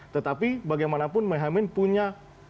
tetapi bagaimanapun mohaimin punya